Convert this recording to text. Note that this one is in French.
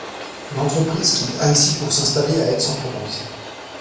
L’entreprise quitte Annecy pour s’installer à Aix-en-Provence.